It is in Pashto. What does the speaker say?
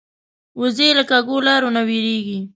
وزې له کږو لارو نه وېرېږي